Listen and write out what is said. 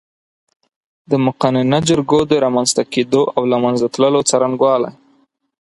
د مقننه جرګو د رامنځ ته کېدو او له منځه تللو څرنګوالی